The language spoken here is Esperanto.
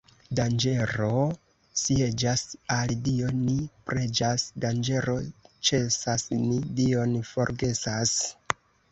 Danĝero sieĝas, al Dio ni preĝas — danĝero ĉesas, ni Dion forgesas.